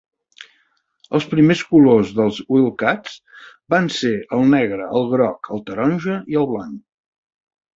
Els primers colors dels Wildcats van ser el negre, el groc, el taronja i el blanc.